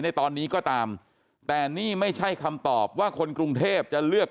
ในตอนนี้ก็ตามแต่นี่ไม่ใช่คำตอบว่าคนกรุงเทพจะเลือก